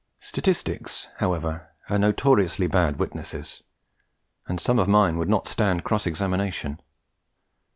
Statistics, however, are notoriously bad witnesses; and some of mine would not stand cross examination.